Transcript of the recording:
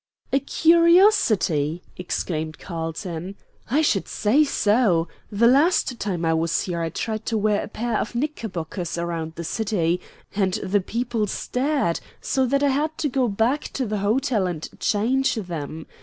"A curiosity!" exclaimed Carlton; "I should say so! The last time I was here I tried to wear a pair of knickerbockers around the city, and the people stared so that I had to go back to the hotel and change them.